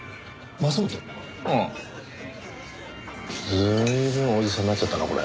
随分おじさんになっちゃったなこれ。